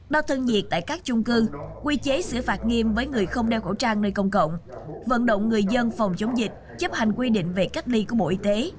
đo thân nhiệt tại các chung cư quy chế sửa phạt nghiêm với người không đeo khẩu trang nơi công cộng vận động người dân phòng chống dịch chấp hành quy định về cách ly của bộ y tế